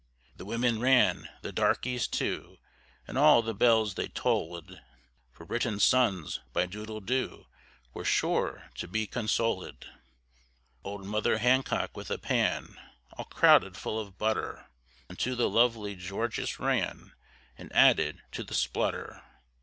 The women ran, the darkeys too; And all the bells, they tollèd; For Britain's sons, by Doodle doo, We're sure to be consolèd. Old mother Hancock with a pan All crowded full of butter, Unto the lovely Georgius ran, And added to the splutter.